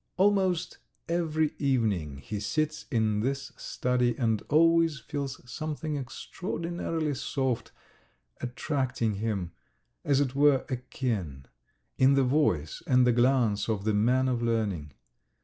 Almost every evening he sits in this study and always feels something extraordinarily soft, attracting him, as it were akin, in the voice and the glance of the man of learning.